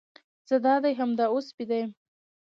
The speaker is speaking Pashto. زه دادي همدا اوس بیده یم.